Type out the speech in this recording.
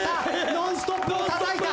『ノンストップ！』をたたいた。